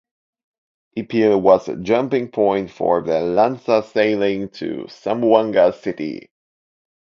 Ipil was a jumping point for their lantsa sailing to Zamboanga City.